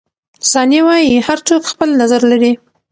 ثانیه وايي، هر څوک خپل نظر لري.